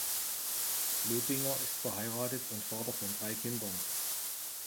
Lobinger ist verheiratet und Vater von drei Kindern.